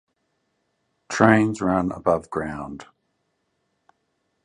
Trains run above ground.